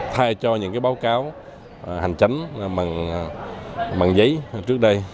thay cho những báo cáo hành chánh bằng giấy trước đây